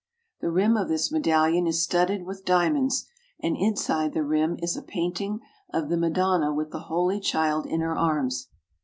The rim of this medallion is studded with dia monds and inside the rim is a painting of the Madonna with the Holy Child in her arms.